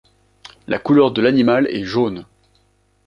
La couleur de l'animal est jaune.